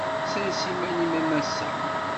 Sers iman-im a massa.